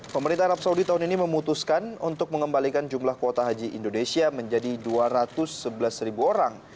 pemerintah arab saudi tahun ini memutuskan untuk mengembalikan jumlah kuota haji indonesia menjadi dua ratus sebelas ribu orang